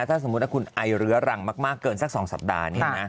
ถ้าสมมุติว่าคุณไอเรื้อรังมากเกินสัก๒สัปดาห์นี้นะ